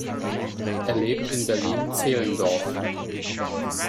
Er lebt in Berlin-Zehlendorf.